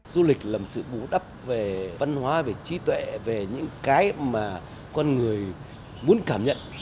du lịch là một sự bú đắp về văn hóa về trí tuệ về những cái mà con người muốn cảm nhận